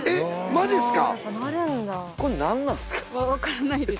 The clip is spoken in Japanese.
マジっすか？